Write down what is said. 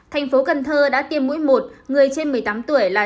thành phố cần thơ đã tiêm mũi một người trên một mươi tám tuổi là chín mươi năm chín